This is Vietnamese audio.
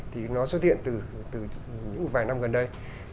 từ những vài năm gần đây